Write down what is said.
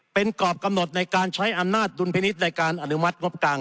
เป็นกรอบกำหนดในการใช้อำนาจดุลพินิษฐ์ในการอนุมัติงบกลาง